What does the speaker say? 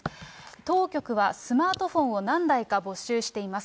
当局はスマートフォンを何台か没収しています。